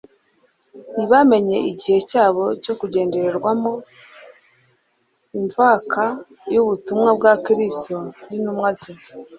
ntibamenye igihe cyabo cyo kugendererwamo. Imvaka y'ubutumwa bwa Kristo n'intumwa ze,